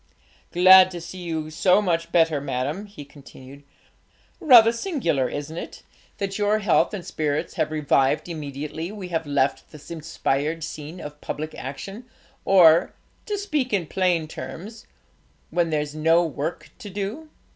'Glad to see you so much better, madam,' he continued. 'Rather singular, isn't it, that your health and spirits have revived immediately we have left the inspired scene of public action, or to speak in plain terms when there's no work to do!'